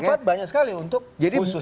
manfaat banyak sekali untuk jadi